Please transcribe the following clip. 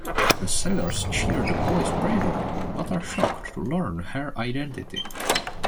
The sailors cheer the boy's bravery, but are shocked to learn her identity.